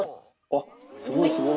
あっすごいすごい。